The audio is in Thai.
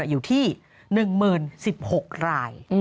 อยู่ที่๑๐๑๖ราย